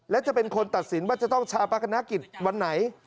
และจะเป็นคนตัดสินว่าจะต้องชาปนกิจวันไหน